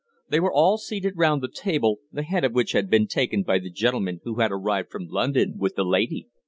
They were all seated round the table, the head of which had been taken by the gentleman who had arrived from London with the lady.